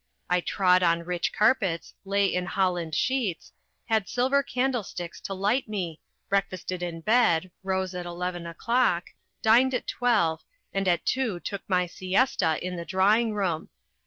I trod on rich carpets, lay in holland sheets, had silver candlesticks to light me, breakfasted in bed, rose at eleven o'clock, dined at twelve, and at two took my siesta in the drawing room.